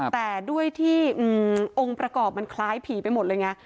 แต่ด้วยที่องค์ประกอบมันคล้ายผีไปหมดเลยไง